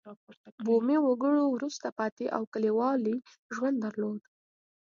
بومي وګړو وروسته پاتې او کلیوالي ژوند درلود.